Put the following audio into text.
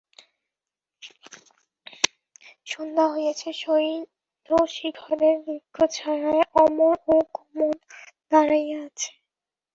সন্ধ্যা হইয়াছে, শৈলশিখরের বৃক্ষচ্ছায়ায় অমর ও কমল দাঁড়াইয়া আছে।